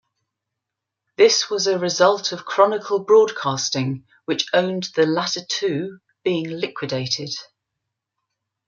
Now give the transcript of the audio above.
This was a result of Chronicle Broadcasting, which owned the latter two, being liquidated.